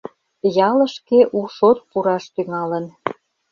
Ялышке у шот пураш тӱҥалын.